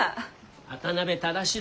渡辺忠四郎。